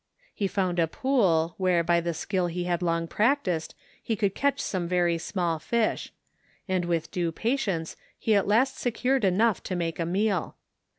He found a pool where by a skill he had long prac tised he could catch some very small fish ; and with due patience he at last secured enough to make a meal.